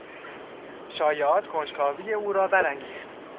شایعات کنجکاوی او را برانگیخت.